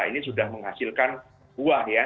ini sudah menghasilkan buah ya